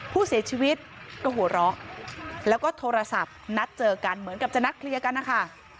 ผู้เสียชีวิตก็หัวเราะแล้วก็โทรศัพท์นัดเจอกันเหมือนกับจะนัดเคลียร์กันนะคะ